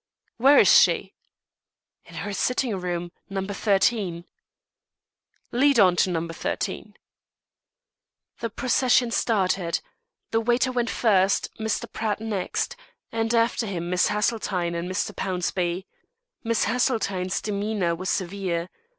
"Where is she?" "In her sitting room, No. 13." "Lead on to No. 13." The procession started. The waiter went first, Mr. Pratt next, and after him Miss Haseltine and Mr. Pownceby. Miss Haseltine's demeanour was severe.